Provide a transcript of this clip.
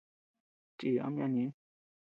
Chii ama yana ñëʼe.